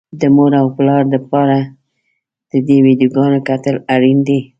د مور او پلار لپاره د دې ويډيوګانو کتل اړين دي.